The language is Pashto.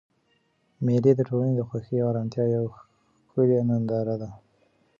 مېلې د ټولنې د خوښۍ او ارامتیا یوه ښکلیه ننداره ده.